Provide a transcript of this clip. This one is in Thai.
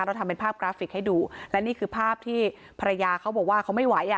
เราทำเป็นภาพกราฟิกให้ดูและนี่คือภาพที่ภรรยาเขาบอกว่าเขาไม่ไหวอ่ะ